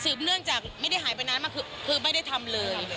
เนื่องจากไม่ได้หายไปนานมากคือไม่ได้ทำเลย